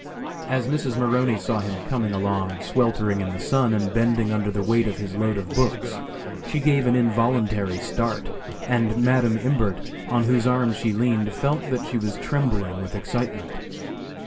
As Mrs. Maroney saw him coming along sweltering in the sun and bending under the weight of his load of books, she gave an involuntary start, and Madam Imbert, on whose arm she leaned, felt that she was trembling with excitement.